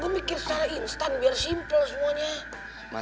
aku mikir secara instan biar simpel semuanya